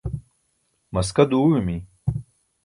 maska duuẏimi